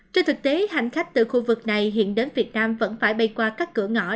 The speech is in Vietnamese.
trên thực tế hành khách từ khu vực này hiện đến việt nam vẫn phải bay qua các cửa ngõ